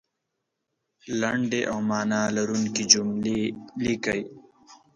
لنډې او معنا لرونکې جملې لیکئ